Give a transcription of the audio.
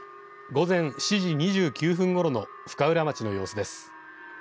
午前７時２９分ごろの深浦町の様子です。